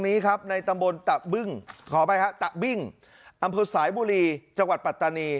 ในตำบลตะบิ้งอำพฤษสายบุรีจังหวัดปัตตานี